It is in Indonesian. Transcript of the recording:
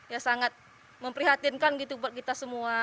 ya sangat memprihatinkan gitu buat kita semua